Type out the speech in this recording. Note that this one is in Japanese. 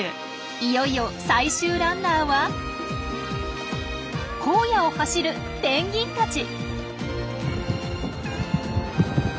いよいよ最終ランナーは荒野を走るペンギンたち！